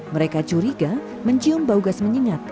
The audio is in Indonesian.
mereka curiga mencium bau gas menyengat